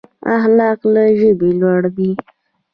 اخلاق له ژبې لوړ دي.